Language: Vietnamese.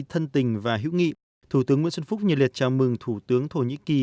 thân tình và hữu nghị thủ tướng nguyễn xuân phúc nhiệt liệt chào mừng thủ tướng thổ nhĩ kỳ